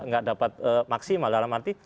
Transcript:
karena kita tidak dapat maksimal dalam arti